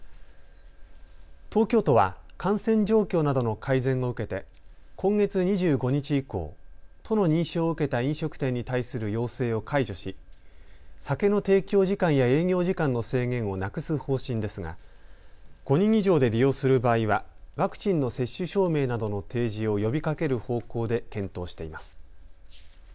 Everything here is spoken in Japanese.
東京都は感染状況などの改善を受けて今月２５日以降、都の認証を受けた飲食店に対する要請を解除し酒の提供時間や営業時間の制限をなくす方針ですが５人以上で利用する場合はワクチンの接種証明などの提示を呼びかける方向で検討しています。